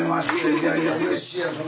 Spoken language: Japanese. いやいやうれしいやん。